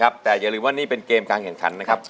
แต่อย่าลืมว่านี่เป็นเกมการแข่งขันนะครับ